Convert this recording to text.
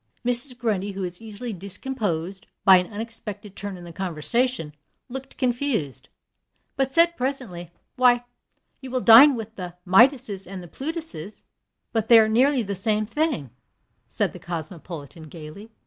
Mrs. Grundy, who is easily discomposed by an unexpected turn in the conversation, looked confused, but said, presently, "Why, you will dine with the Midases and the Plutuses." "But they are merely the same thing," said the cosmopolitan, gayly.